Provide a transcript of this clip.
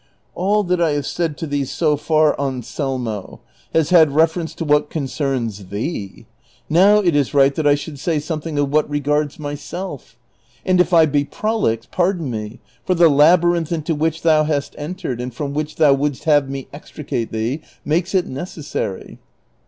"All that I have said to thee so far, Anselmo, has had I'eference to what concerns thee ; now it is right that I should say something of what regards myself; and if I be prolix, pardon me, for the labyrinth into which thou hast entered and from which thou wouldst have me extricate thee makes it necessary.